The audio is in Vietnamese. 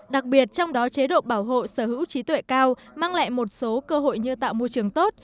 đặc biệt trong đó chế độ bảo hộ sở hữu trí tuệ cao mang lại một số cơ hội như tạo môi trường tốt